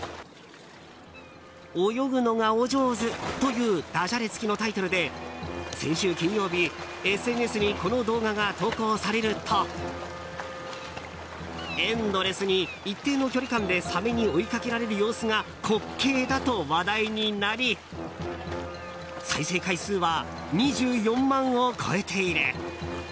「泳ぐのがおジョーズ」というダジャレ付きのタイトルで先週金曜日ＳＮＳにこの動画が投稿されるとエンドレスに一定の距離感でサメに追いかけられる様子が滑稽だと話題になり再生回数は２４万を超えている。